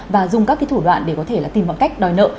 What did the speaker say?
và dùng các thủ đoạn để có thể tìm một cách đòi nợ